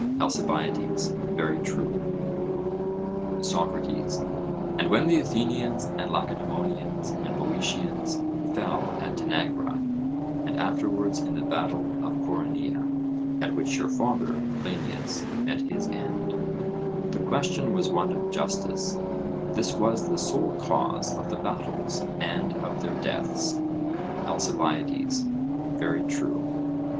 ALCIBIADES: Very true. SOCRATES: And when the Athenians and Lacedaemonians and Boeotians fell at Tanagra, and afterwards in the battle of Coronea, at which your father Cleinias met his end, the question was one of justice this was the sole cause of the battles, and of their deaths. ALCIBIADES: Very true.